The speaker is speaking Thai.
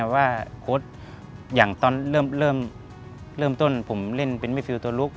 ว่าโค้ดอย่างตอนเริ่มต้นผมเล่นเป็นไม่ฟิลตัวลุก